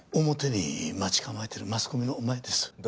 表に待ち構えてるマスコミの前です。